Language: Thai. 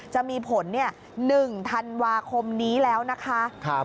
จะมีผล๑ธันวาคมนี้แล้วนะคะ